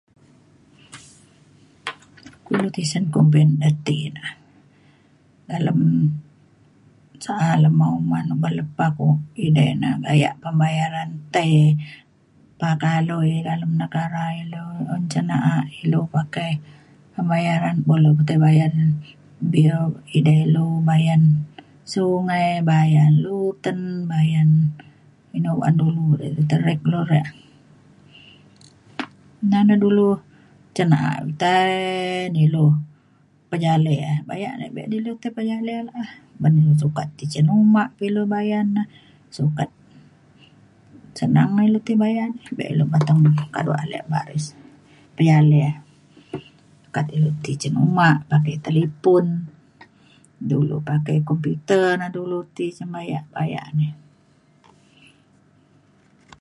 ilu tisen kumbin da ti ina dalem salem uman uman lepah ida ina bayak pembayaran tai pakai alui dalem negara ilu un ca na'a ilu pakai pembayaran bo lu pa tai bayan bil idai ilu bayan sungai bayan luten bayan inu baan dulu re internet lu re. na na dulu cen na'a tai ne ilu pejale bayak ia' be na lu tai pejale la'a ban sukat ti cen uma pa ilu bayan na sukat senang ilu ti bayan bek lu mateng kado alek baris pejale sukat ilu ti cen uma pakai talipon dulu pakai komputer na dulu ti cen bayak bayak ni